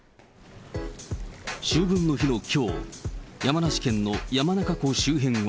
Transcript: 秋分の日のきょう、山梨県の山中湖周辺は。